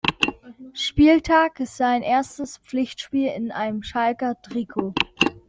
Spieltag, sein erstes Pflichtspiel in einem Schalker Trikot.